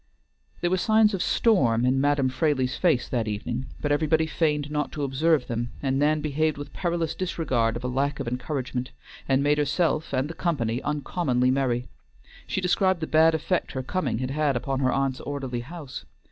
There were signs of storm in Madam Fraley's face that evening, but everybody feigned not to observe them, and Nan behaved with perilous disregard of a lack of encouragement, and made herself and the company uncommonly merry. She described the bad effect her coming had had upon her aunt's orderly house.